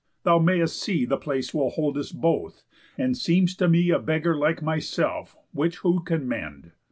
Thou may'st see The place will hold us both; and seem'st to me A beggar like myself; which who can mend?